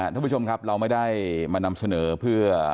ทุกผู้ชมครับเราไม่ได้มานำเสนอ